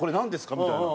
みたいな。